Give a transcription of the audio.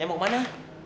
ya mau kemana